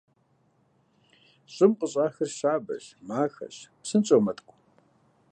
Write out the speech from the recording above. Щӏым къыщӏахыр щабэщ, махэщ, псынщӏэу мэткӏу.